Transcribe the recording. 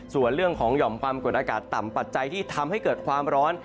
ส่วนเรื่องของหย่อมความกดอากาศต่ำปัจจัยที่ทำให้เกิดความร้อน